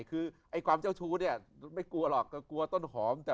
คือไอ้ความเจ้าชู้เนี่ยไม่กลัวหรอกก็กลัวต้นหอมจะ